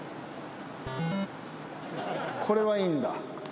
これはいいんだ。